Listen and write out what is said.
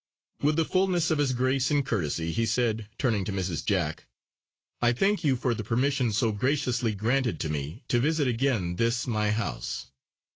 With the fullness of his grace and courtesy he said, turning to Mrs. Jack: "I thank you for the permission, so graciously granted to me, to visit again this my house.